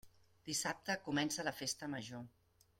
Dissabte comença la Festa Major.